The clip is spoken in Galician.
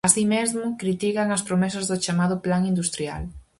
Así mesmo, critican as promesas do chamado plan industrial.